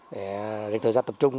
để dành thời gian tập trung